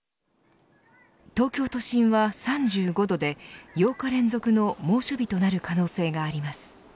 東京都心は３５度で８日連続の猛暑日となる可能性があります。